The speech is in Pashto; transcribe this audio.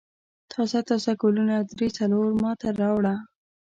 تازه تازه ګلونه درې څلور ما ته راوړه.